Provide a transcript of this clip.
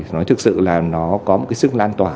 nó thực sự là nó có một cái sức lan tỏa